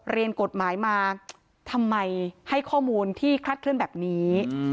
เรียนกฎหมายมาทำไมให้ข้อมูลที่คลาดเคลื่อนแบบนี้